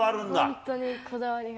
本当に、こだわります。